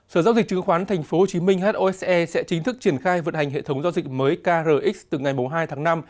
sở giao dịch chứng khoán tp hcm hose sẽ chính thức triển khai vận hành hệ thống giao dịch mới krx từ ngày hai tháng năm